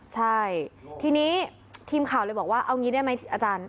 ใช่ทีนี้ทีมข่าวเลยบอกว่าเอางี้ได้ไหมอาจารย์